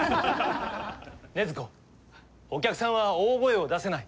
豆子お客さんは大声を出せない。